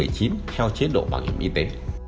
theo chế độ bảo hiểm y tế